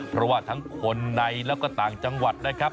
เพราะว่าทั้งคนในแล้วก็ต่างจังหวัดนะครับ